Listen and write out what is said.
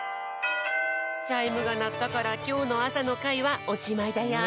チャイムがなったからきょうのあさのかいはおしまいだよ。